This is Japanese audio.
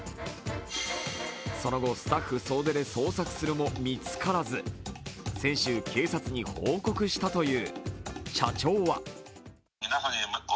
その後、スタッフ総出で捜索するも見つからず先週、警察に報告したという。